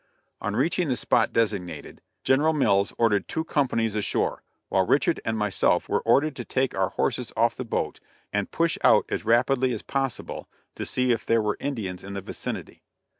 On reaching the spot designated, General Mills ordered two companies ashore, while Richard and myself were ordered to take our horses off the boat and push out as rapidly as possible to see if there were Indians in the vicinity.